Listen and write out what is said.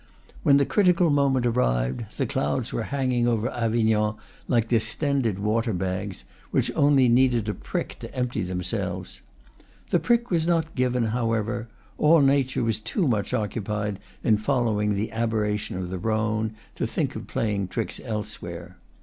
When the critical moment arrived, the clouds were hanging over Avignon like distended water bags, which only needed a prick to empty themselves. The prick was not given, however; all nature was too much occupied in following the aberration of the Rhone to think of playing tricks elsewhere.